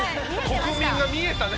国民が見えたね！